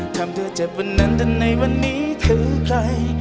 ทำเธอเจ็บวันนั้นในวันนี้คือใคร